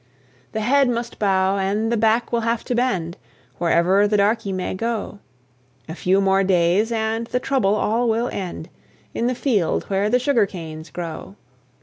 The head must bow, and the back will have to bend, Wherever the darkey may go; A few more days, and the trouble all will end, In the field where the sugar canes grow.